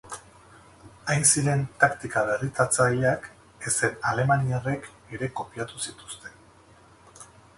Hain ziren taktika berriztatzaileak ezen alemaniarrek ere kopiatu zituzten.